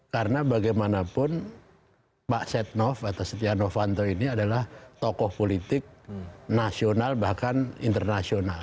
karena bagaimanapun pak setnoff atau setiano fanto ini adalah tokoh politik nasional bahkan internasional